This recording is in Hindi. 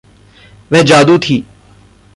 वह जादू थी।